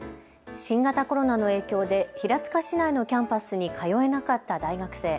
新型コロナの影響で平塚市内のキャンパスに通えなかった大学生。